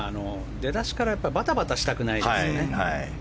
出だしからバタバタしたくないですよね。